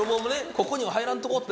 ここには入らんとこうって。